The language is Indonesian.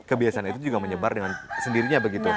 kebiasaan itu juga menyebar dengan sendirinya begitu